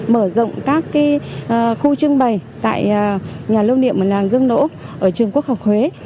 mở rộng các khu trưng bày tại nhà lưu niệm mặt làng dương đỗ ở trường quốc học huế